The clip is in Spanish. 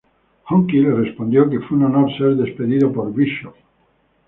Honky le respondió que fue un honor ser despedido por Bischoff.